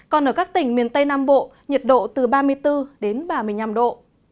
còn ở các tỉnh miền tây nam bộ nhiệt độ từ ba mươi bốn đến ba mươi năm độ